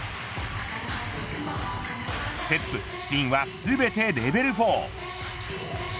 ステップ、スピンは全てレベル４。